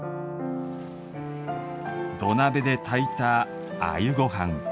土鍋で炊いた「あゆごはん」。